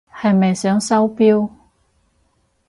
係咪想收錶？